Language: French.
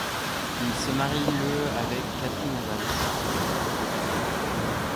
Il se marie le avec Catherine Evans.